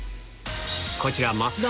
こちら増田